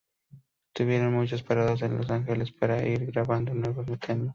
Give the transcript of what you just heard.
Tuvieron muchas paradas en Los Angeles para ir grabando nuevos temas.